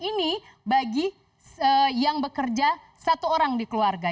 ini bagi yang bekerja satu orang di keluarga